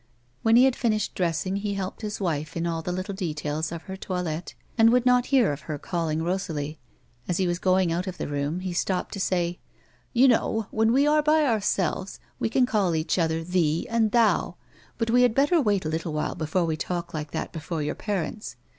When he had finished dressing, he helped his wife in all the little details of her toilet, and would not hear of her calling Rosalie. As he was going out of the room, he stopped to say : "You know, when we are hj ourselves, we can call each other " thee " and " thou," but we had better wait a little while before we talk like that before your parents.